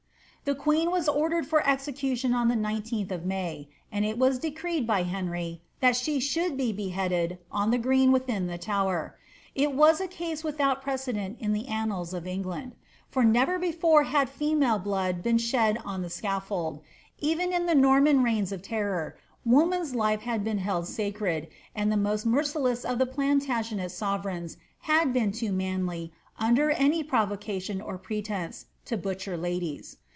The queen was ordered for execution on the 19th of May; and it was decreed by Henry that she should be beheaded on the green within the Tower. It was a case without precedent in the annals of Enghmd ; for never before had female blood been shed on the scafibld ; even in the Norman reigns of terror, woman's life had been held sacred, and the most merciless of the Plantagenet sovereigns had been too manly, under any provocation or pretence, to butcher ladies.